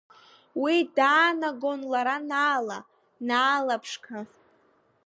Уи даанагон лара Наала, Наала ԥшқа!